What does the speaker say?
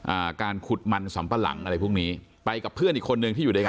อ่าการขุดมันสำปะหลังอะไรพวกนี้ไปกับเพื่อนอีกคนนึงที่อยู่ด้วยกัน